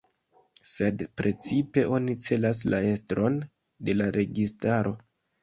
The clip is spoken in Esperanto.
Sed precipe oni celas la estron de la registaro.